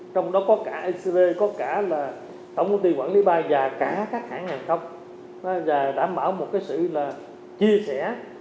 trong đó có cả acv có cả là tổng công ty quản lý bay và cả các hãng hàng không và đảm bảo một cái sự là chia sẻ